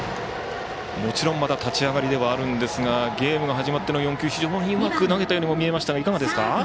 もちろんまだ立ち上がりではあるんですがゲームが始まっての４球見事に投げたように見えましたがいかがでしたか？